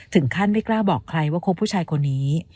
ไม่กล้าบอกใครว่าคบผู้ชายคนนี้